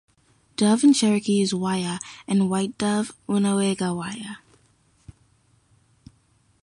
Dove in Cherokee is "waya" and white dove "unega waya".